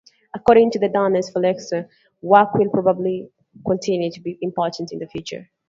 According to Dundes, folkloristic work will probably continue to be important in the future.